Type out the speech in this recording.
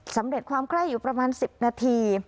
สำเร็จความไคร้อยู่ประมาณ๑๐นาที